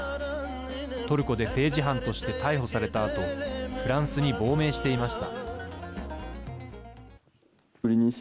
トルコで政治犯として逮捕されたあとフランスに亡命していました。